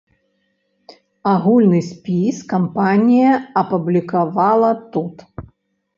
Агульны спіс кампанія апублікавала тут.